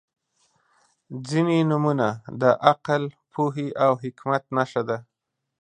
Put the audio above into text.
• ځینې نومونه د عقل، پوهې او حکمت نښه ده.